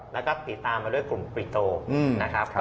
แล้วก็ติดตามมาด้วยกลุ่มปริโตนะครับ